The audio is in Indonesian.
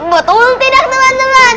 betul tidak teman teman